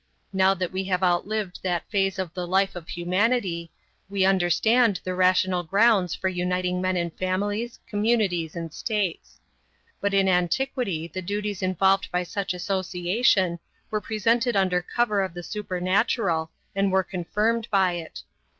Now that we have outlived that phase of the life of humanity, we understand the rational grounds for uniting men in families, communities, and states. But in antiquity the duties involved by such association were presented under cover of the supernatural and were confirmed by it.